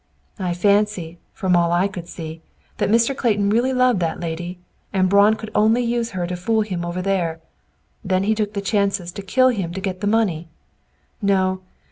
I fancy, from all I could see, that Mr. Clayton really loved that lady; and Braun could only use her to fool him over there; then he took the chances to kill him to get the money. No!